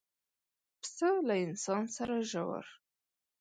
پسه له انسان سره ژور